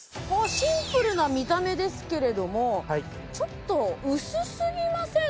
シンプルな見た目ですけれどもちょっと薄すぎません？